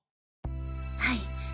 はい